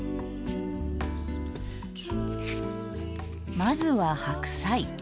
まずは白菜。